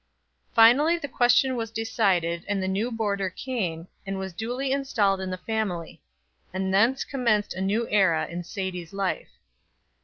Finally the question was decided, and the new boarder came, and was duly installed in the family; and thence commenced a new era in Sadie's life.